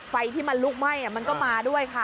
ไฟที่มันลุกไหม้มันก็มาด้วยค่ะ